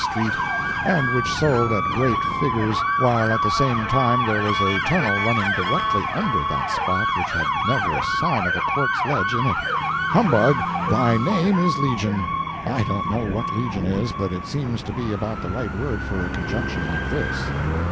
street, and which sold at great figures, while at the same time there was a tunnel running directly under that spot which had never a sign of a quartz ledge in it! Humbug, thy name is legion, I don't know what legion is, but it seems to be about the right word for a conjunction like this.